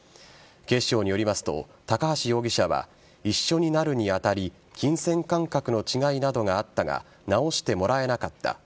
警視庁によりますと高橋容疑者は一緒になるにあたり金銭感覚の違いなどがあったが直してもらえなかった。